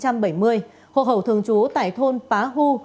sinh năm một nghìn chín trăm bảy mươi hồ hậu thường chú tại thôn pá hu